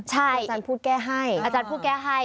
ใช่อาจารย์พูดแก้ให้